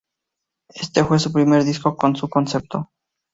Este fue su primer disco con "su" concepto.